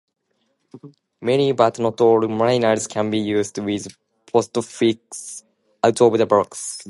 Many, but not all, milters can be used with Postfix "out of the box".